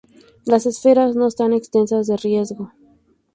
Las esferas no están exentas de riesgos.